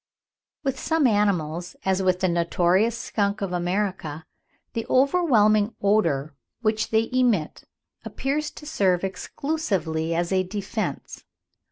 With some animals, as with the notorious skunk of America, the overwhelming odour which they emit appears to serve exclusively as a defence.